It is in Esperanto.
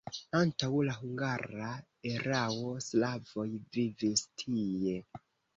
Antaŭ la hungara erao slavoj vivis tie.